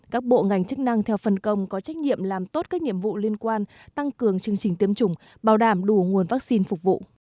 các bộ ngành chức năng theo phần công có trách nhiệm làm tốt các nhiệm vụ liên quan tăng cường chương trình tiêm chủng bảo đảm đủ nguồn vaccine phục vụ